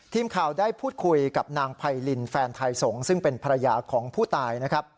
ทีมข่าวได้พูดคุยกับนางไพรินแฟนไทยสงฆ์ซึ่งเป็นภรรยาของผู้ตายนะครับ